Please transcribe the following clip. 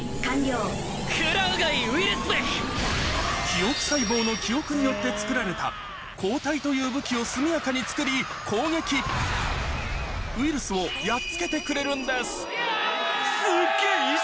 記憶細胞の記憶によって作られた抗体という武器を速やかに作り攻撃ウイルスをやっつけてくれるんですイエイ！